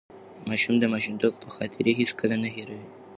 ماشومان د ماشومتوب خاطرې هیڅکله نه هېروي.